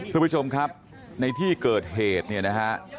คุณผู้ชมครับในที่เกิดเหตุเนี่ยนะฮะ